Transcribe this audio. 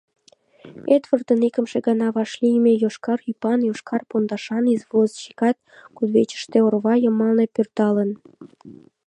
Эдвардын икымше гана вашлийме йошкар ӱпан, йошкар пондашан извозчикат кудывечыште орва йымалне пӧрдалын.